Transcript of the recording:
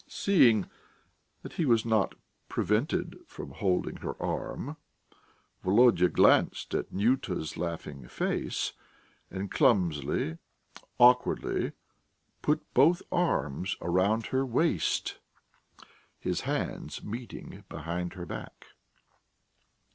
Seeing that he was not prevented from holding her arm, Volodya glanced at Nyuta's laughing face, and clumsily, awkwardly, put both arms round her waist, his hands meeting behind her back.